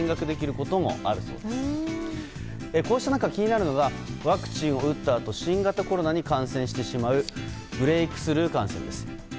こうした中、気になるのがワクチンを打ったあと新型コロナに感染してしまうブレークスルー感染です。